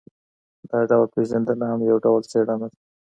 دا ډول پېژندنه هم یو ډول څېړنه ده.